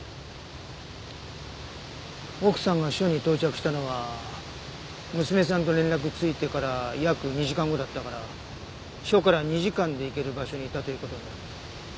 奥さんが署に到着したのは娘さんと連絡ついてから約２時間後だったから署から２時間で行ける場所にいたという事になる。